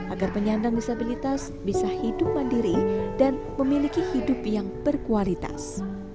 agar penyandang disabilitas bisa hidup mandiri dan memiliki hidup yang berkualitas